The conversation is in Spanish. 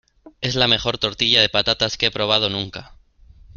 Es la mejor tortilla de patatas que he probado nunca.